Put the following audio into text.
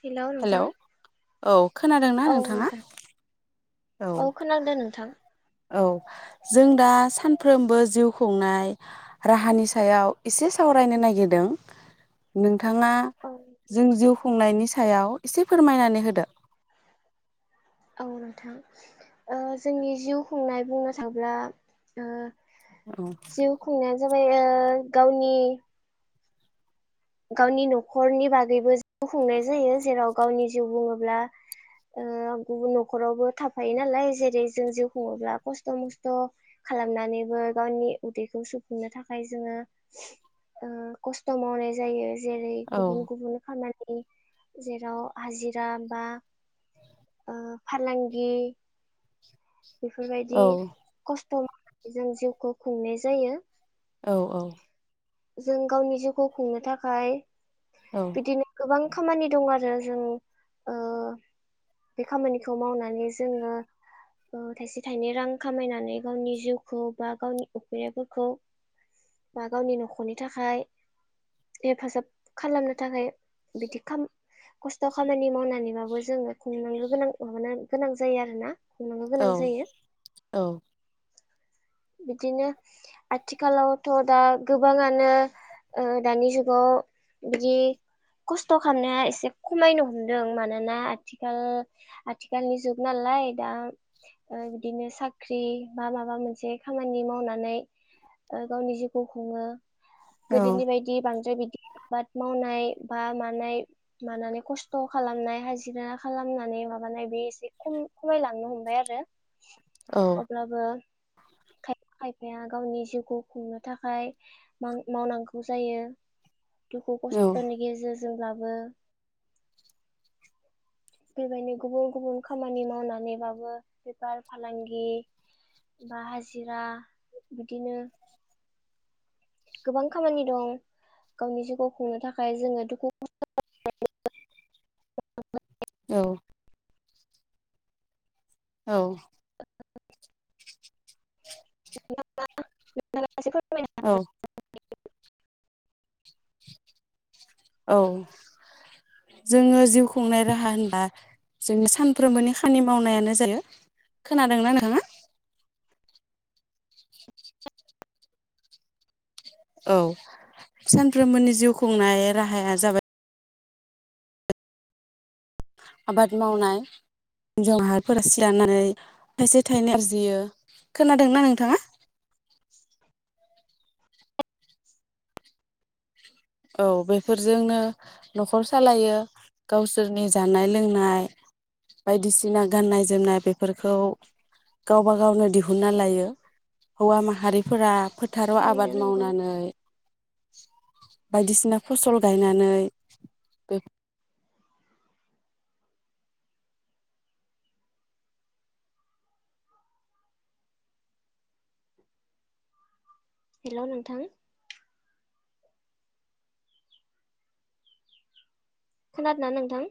हेल नोंथां हेलौ औ खोनादोंना औ नोंथाङा नोंथां औ खोनादों नोंथां। औ जों दा सानफ्रोमबो जिउ खुंनाय राहानि सायाव एसे सावरायनो नागिरदों। नों थाङा औ जों जिउ खुंनायनि सायाव एसे फोरमायनानै होदो। औ नोंथां। ओ जोंनि जिउ खुंनाय बुंनो थाङोब्ला ओ औ जिउ खुंनाया जाबाय ओ गावनि गावनि नखरनि बागैबो जिउ खुंनाय जायो। जेराव गावनि जिउ बुङोब्ला ओ गुबुन नखरावबो थाफायो नालाय जेरै जों जिउ खुङोब्ला खस्थ' मस्थ' खालामनानैबो गावनि उदैखौ सुफुंनो थाखाय जोङो ओ खस्थ' मावनाय जायो। जेरै औ गुबुन गुबुन खामा नि जेराव हाजिरा बा ओ फालांगि, बेफोरबायदि औ खस्थ' जों जिउखौ खुंनाय जायो। औ औ जों गावनि जिउखौ खुंनो थाखाय औ बिदिनो गोबां खामानि दं आरो जों ओ बे खामानिखौ मावनानै जोङो ओ थाइसे थाइनै रां खामायनानै गावनि जिउखौ बा गावनि उखैैनायफोरखौ बा गावनि न' खरनि थाखाय हेफाजाब खालामनो थाखाय बिदि खाम खस्थ' खामानि मावनानैबाबो जोङो खुंनांगनो गोनां माब गोनां जायो आरोना। खुंनांगौ औ गोनां जायो। औ बिदिनो आथिखालावथ' दा गो बाङानो ओ दानि जुगाव बिदि खस्थ' खालामनाया एसे खमायनो हमदों मानोना आथिखाल आथिखालनि जुग नालाय दा ओ बिदिनो साख्रि बा माबा मोनसे खामानि मावनानै ओ गावनि जिउखौ खुङो। औ गोदोनि बायदि बांद्राय बि आबाद मावनाय बा मानाय मानानै खस्थ' खालामनाय हाजिरा खालामनानै माबानाय बे एसे खम खमायलांनो हमबाय आरो। औ अब्लाबो खायफा खायफाया गावनि जिउखौ खुंनो थाखाय माव मावनांगौ जायो। दुखु खस्थ'नि गेजेर जोंब्लाबो बेबायनो गुबुन गुबुन खामानि मावनानैबाबो बेफार फालांगि बा हाजिरा बिदिनो गोबां खामानि दं गावनि जिउखौ खुंनो थाखाय जोङो दुखु [unintelligible] [inaudible] औ औ [unintelligible] औ [inaudible] औ जोङो जिउ खुंनाय राहा होनबा जोंनि सानफ्रोमबोनि खानि मावनाय आनो थारो। खोनादोंना नोंथाङा? औ सानफ्रोमबोनि जिउ खुंनाय राहाया जाबाय आबाद मावनाय हिनजाव माहारिफोरा सि दानानै थाइसे थाइनै आरजियो खोनादोंना नोंथाङा? औ बेफोरजोंनो न'खर सालायो गावसोरनि जानाय लोंनाय बायदिसिना गाननाय जोमनाय बेफोरखौ गावबा गावनो दिहुनन्ना लायो। हौवा माहारिफोरा फोथाराव आबाद थारैनो नंगौ मावनानै [inaudible] बायदिसिना फसल गायनानै हेल' नोंथां। खोनादोंना नोंथां?